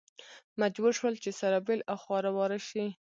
مجبور شول چې سره بېل او خواره واره شي.